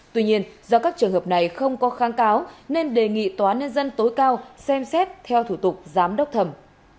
tuy nhiên do các trường hợp này không có kháng cáo nên đề nghị tòa nhân dân tối cao xem xét theo thủ tục giám đốc thẩm